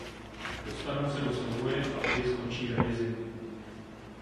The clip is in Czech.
Dostanou se do souboje a obě skončí ve vězení.